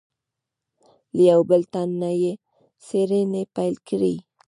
له یوه بل تن نه یې څېړنې پیل کړې.